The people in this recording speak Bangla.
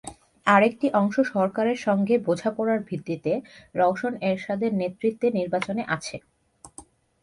আরেকটি অংশ সরকারের সঙ্গে বোঝাপড়ার ভিত্তিতে রওশন এরশাদের নেতৃত্বে নির্বাচনে আছে।